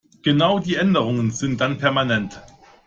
Genau, die Änderungen sind dann permanent.